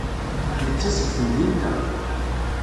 Netta seg temdint-a.